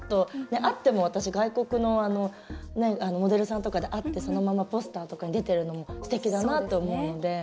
あっても、私外国のモデルさんとかで、あってそのままポスターとかに出てるのもすてきだなと思うので。